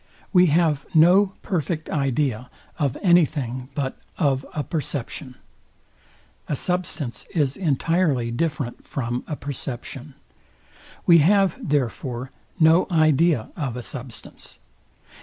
We have no perfect idea of any thing but of a perception. A substance is entirely different from a perception. We have, therefore, no idea of a substance.